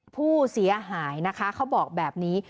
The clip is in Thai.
ผู้เสียหายนะคะเขาบอกแบบนี้